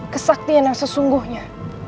kesaktian yang sesungguhnya